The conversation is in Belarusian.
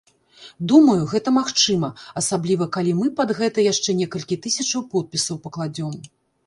Думаю, гэта магчыма, асабліва калі мы пад гэта яшчэ некалькі тысячаў подпісаў пакладзём.